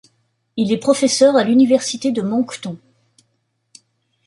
Il est professeur à l'Université de Moncton.